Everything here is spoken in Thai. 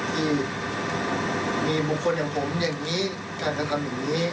ที่มีบุคคลอย่างผมอย่างนี้การกระทำอย่างนี้